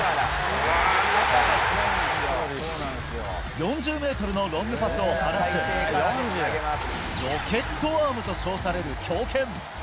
４０メートルのロングパスを放つ、ロケットアームと称される強肩。